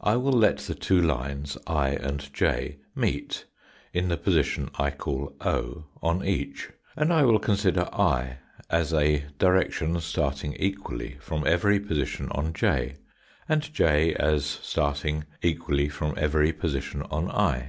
I will let the two lines i and j meet in the position I call o on each, and I will consider i as a direction starting equally big. 63. f rom ever y position on j, and j as B it.oj starting equally from every position on i.